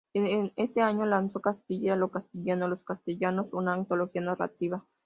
Ese año, lanzó "Castilla, lo castellano, los castellanos", una antología narrativa.